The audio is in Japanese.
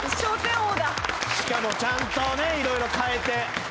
しかもちゃんとね色々変えて。